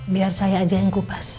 biar saya aja yang kupas